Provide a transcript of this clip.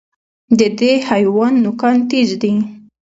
د دې حیوان نوکان تېز دي.